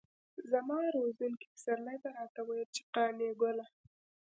زما روزونکي پسرلي به راته ويل چې قانع ګله.